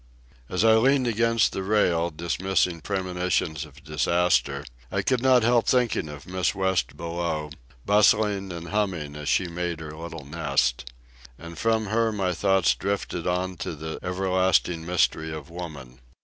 As I leaned against the rail, dismissing premonitions of disaster, I could not help thinking of Miss West below, bustling and humming as she made her little nest. And from her my thought drifted on to the everlasting mystery of woman.